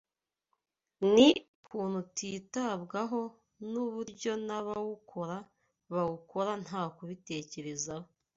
ni ukuntu utitabwaho n’uburyo n’abawukora bawukora nta kubitekerezaho